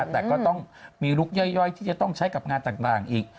แต่ก็ต้องมีลุคย่อยที่จะต้องใช้กับงานต่างอีก